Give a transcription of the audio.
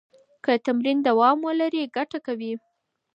که تمرین دوام ولري، ګټه کوي.